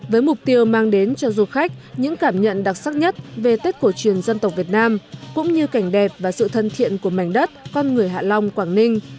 với mục tiêu mang đến cho du khách những cảm nhận đặc sắc nhất về tết cổ truyền dân tộc việt nam cũng như cảnh đẹp và sự thân thiện của mảnh đất con người hạ long quảng ninh